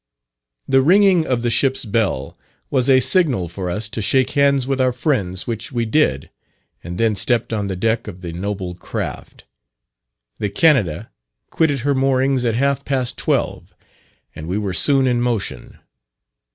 The ringing of the ship's bell was a signal for us to shake hands with our friends, which we did, and then stepped on the deck of the noble craft. The Canada quitted her moorings at half past twelve, and we were soon in motion.